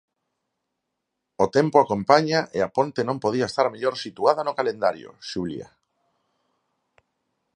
O tempo acompaña e a ponte non podía estar mellor situada no calendario, Xulia.